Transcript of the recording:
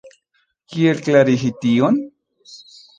Kiel klarigi tion?